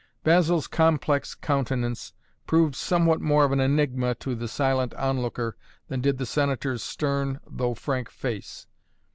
Basil's complex countenance proved somewhat more of an enigma to the silent on looker than did the Senator's stern, though frank face.